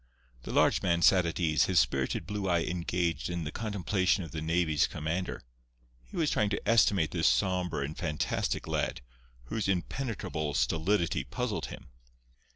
The large man sat at ease, his spirited blue eye engaged in the contemplation of the navy's commander. He was trying to estimate this sombre and fantastic lad, whose impenetrable stolidity puzzled him.